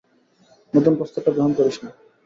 নতুন প্রস্তাবটা গ্রহণ করিস না।